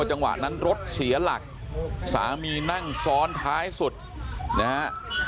จังหวะนั้นรถเสียหลักสามีนั่งซ้อนท้ายสุดนะฮะ